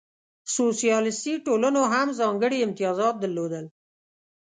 سوسیالیستي ټولنو هم ځانګړې امتیازات درلودل.